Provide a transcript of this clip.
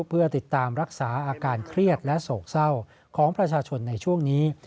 เพื่อติดตามรักษาอาการเครียดและโศกเศร้าของประชาชนในช่วงนี้